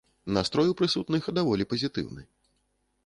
Настрой у прысутных даволі пазітыўны.